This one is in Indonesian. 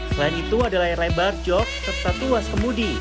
selain itu ada layar lebar jok serta tuas kemudi